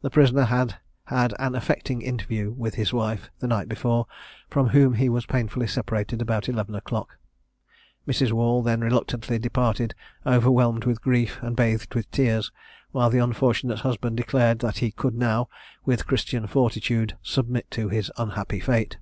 The prisoner had had an affecting interview with his wife, the night before, from whom he was painfully separated about eleven o'clock. Mrs. Wall then reluctantly departed, overwhelmed with grief, and bathed with tears; while the unfortunate husband declared that he could now, with Christian fortitude, submit to his unhappy fate.